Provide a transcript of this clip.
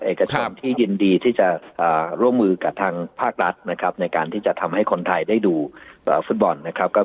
เอกชนที่ยินดีที่จะร่วมมือกับทางภาครัฐนะครับในการที่จะทำให้คนไทยได้ดูฟุตบอลนะครับ